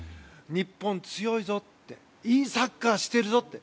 日本、強いぞっていいサッカーをしているぞって。